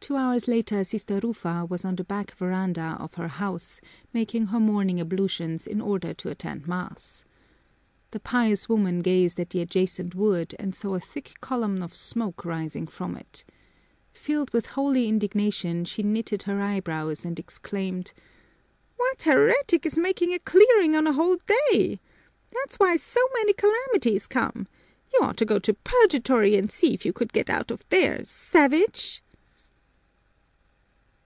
Two hours later Sister Rufa was on the back veranda of her house making her morning ablutions in order to attend mass. The pious woman gazed at the adjacent wood and saw a thick column of smoke rising from it. Filled with holy indignation, she knitted her eyebrows and exclaimed: "What heretic is making a clearing on a holy day? That's why so many calamities come! You ought to go to purgatory and see if you could get out of there, savage!"